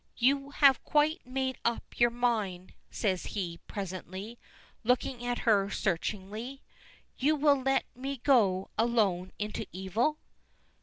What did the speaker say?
"You have quite made up your mind," says he, presently, looking at her searchingly. "You will let me go alone into evil?"